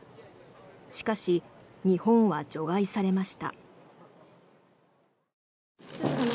しかし、日本は除外されました。